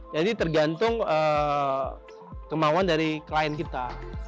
tergantung kemauan dari klien kita